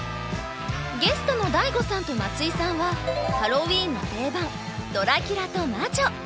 ゲストのＤＡＩＧＯさんと松井さんはハロウィーンの定番ドラキュラと魔女。